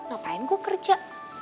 ngapain gue kerja